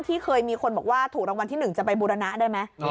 ที่เคยมีคนบอกว่าถูกรางวัลที่๑จะไปบูรณะได้ไหม